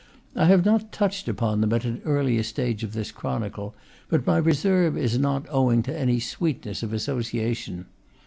I have not touched upon them at an earlier stage of this chronicle, but my re serve is not owing to any sweetness of association.